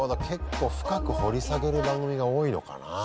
結構深く掘り下げる番組が多いのかな？